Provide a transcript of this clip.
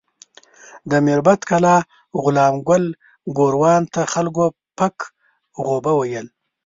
د میربت کلا غلام ګل ګوروان ته خلکو پک غوبه ویل.